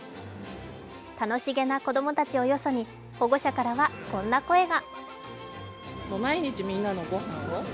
楽しげな子供たちをよそに保護者たちからはこんな声が。